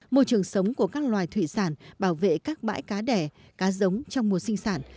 môi trường sống của các loài thủy sản bảo vệ các bãi cá đẻ cá giống trong mùa sinh sản